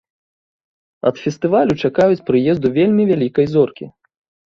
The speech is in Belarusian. Ад фестывалю чакаюць прыезду вельмі вялікай зоркі.